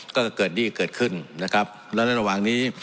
ก็เกิดหนี้เกิดขึ้นนะครับและในระหว่างนี้